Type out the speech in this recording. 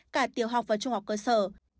cả tiểu học và trung học cơ sở